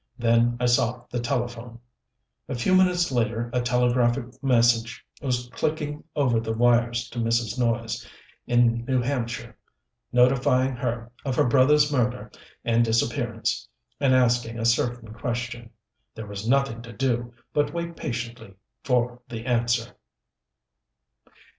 Then I sought the telephone. A few minutes later a telegraphic message was clicking over the wires to Mrs. Noyes, in New Hampshire, notifying her of her brother's murder and disappearance, and asking a certain question. There was nothing to do but wait patiently for the answer.